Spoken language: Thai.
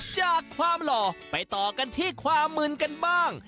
จากความหล่อไปต่อกันที่ความมึนกันบ้าง